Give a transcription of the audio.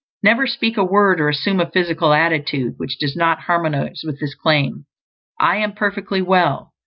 Never speak a word or assume a physical attitude which does not harmonize with the claim: "I am perfectly well."